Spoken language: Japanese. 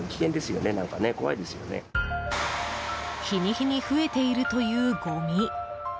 日に日に増えているというごみ。